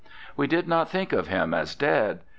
We did not think of him as dead.